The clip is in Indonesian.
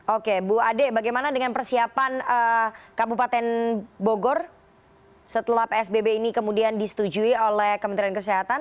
oke bu ade bagaimana dengan persiapan kabupaten bogor setelah psbb ini kemudian disetujui oleh kementerian kesehatan